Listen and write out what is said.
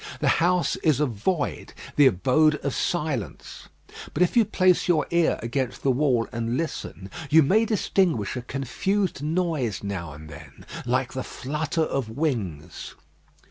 The house is a void; the abode of silence: but if you place your ear against the wall and listen, you may distinguish a confused noise now and then, like the flutter of wings.